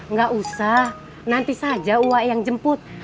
nggak usah nanti saja uwa yang jemput